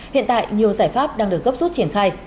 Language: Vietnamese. hiện tại nhiều giải pháp đang được gấp rút triển khai